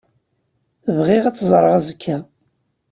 Bɣiɣ ad tt-ẓreɣ azekka.